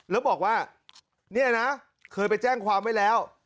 แล้วบอกว่าเนี่ยนะเคยไปแจ้งความไว้แล้ว